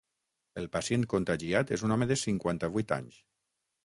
El pacient contagiat és un home de cinquanta-vuit anys.